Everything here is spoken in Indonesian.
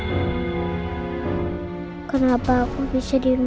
ituconscious karena matesudara sederhana